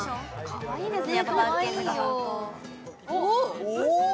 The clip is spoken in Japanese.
かわいいですね